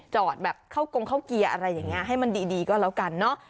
จอดแบบเข้ากงเข้าเกียร์อะไรอย่างนี้ให้มันดีก็แล้วกันเนอะ